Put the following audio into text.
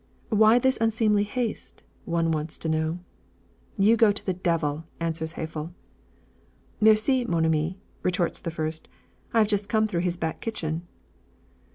'Why this unseemly haste?' one wants to know. 'You go to the devil!' answers Haeffle. 'Merci, mon ami!' retorts the first; 'I have just come through his back kitchen.'